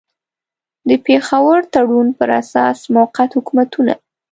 د پېښور تړون پر اساس موقت حکومتونه.